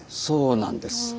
そうなんです。